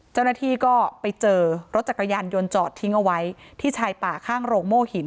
เจ้าหน้าที่ก็ไปเจอรถจักรยานยนต์จอดทิ้งเอาไว้ที่ชายป่าข้างโรงโม่หิน